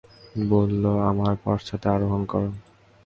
বলল, আমার পশ্চাতে আরোহণ কর।